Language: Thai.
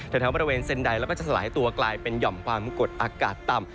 แถวบริเวณเซ็นไดแล้วก็จะสลายตัวกลายเป็นหย่อมความกดอากาศต่ำ